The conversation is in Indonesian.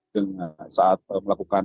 dengan saat melakukan